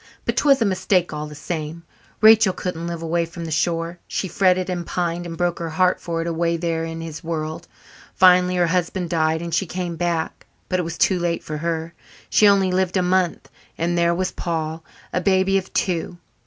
But 'twas a mistake all the same; Rachel couldn't live away from the shore. She fretted and pined and broke her heart for it away there in his world. Finally her husband died and she came back but it was too late for her. She only lived a month and there was Paul, a baby of two.